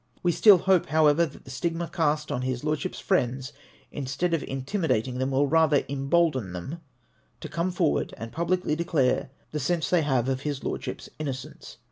We still hope, however, that the stigma cast on his Lordship's friends, instead of intimidating them will rather embolden them to come forward and publicly declare the sense they have of his Lordship' innocence.